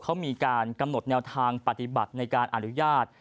เขามีการกำหนดแนวทางปฏิบัติในการอนุญาต